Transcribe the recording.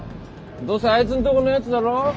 どうせあいつんとこのやつだろ？